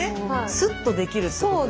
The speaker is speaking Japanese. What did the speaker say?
すっとできるってことね。